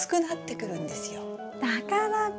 だからか。